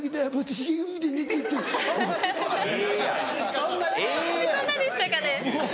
そんなでしたかね？